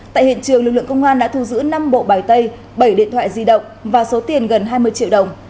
tại hiện trường lực lượng công an đã thu giữ năm bộ bài tay bảy điện thoại di động và số tiền gần hai mươi triệu đồng